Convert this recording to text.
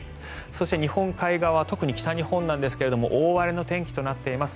そして日本海側特に北日本なんですが大荒れの天気となっています。